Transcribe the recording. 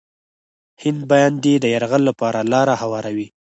هند باندې د یرغل لپاره لاره هواروي.